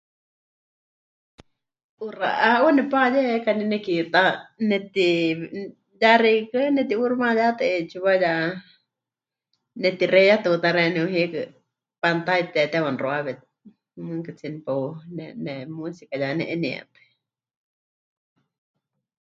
'Uxa'á 'uuwa nepayekaní nekiitá neti..., ya xeikɨ́a, neti'uuximayátɨ 'eetsiwa ya netixeiyatɨ huutá xeeníu hiikɨ, pantalla mɨtitetewa mɨxuawe, mɨɨkɨtsie nepeu..., ne... ne... música ya ne'eniétɨ.